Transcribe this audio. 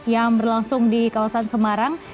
yang berlangsung di kawasan semarang